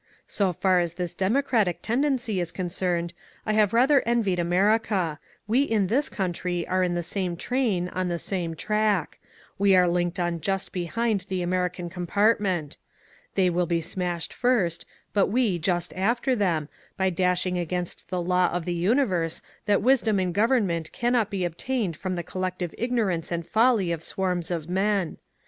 So far as this democratic tendency is concerned, I have rather envied Amer ica; we in this countiy are in the same train on the same track ; we are linked on just behind the American compart ment ; they will be smashed first, but we just after them, by dashing against the law of the universe that wisdom in gov ernment cannot be obtained from the collective ignorance and folly of swarms of men.